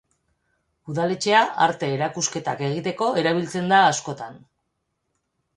Udaletxea arte erakusketak egiteko erabiltzen da askotan.